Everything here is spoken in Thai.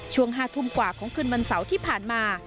ช่วง๕ทุ่มกว่าของคืนวันเสาร์ที่ผ่านมา